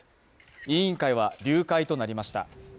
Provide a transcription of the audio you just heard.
委員会は、流会となりました。